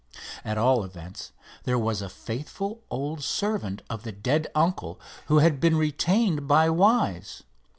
At all events, there was a faithful old servant of the dead uncle who had been retained by Wise.